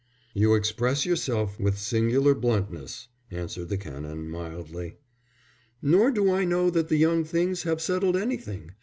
"You express yourself with singular bluntness," answered the Canon, mildly. "Nor do I know that the young things have settled anything.